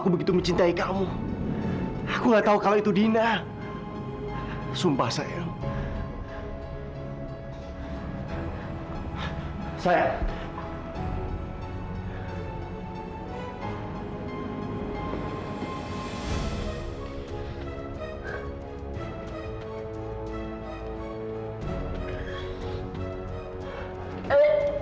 aku begitu mencintai kamu aku nggak tahu kalau itu dina sumpah sayang saya